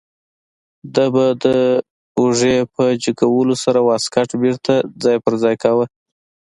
ده به د اوږې په جګولو سره واسکټ بیرته ځای پر ځای کاوه.